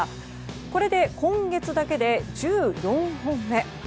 これで今月だけで１４本目。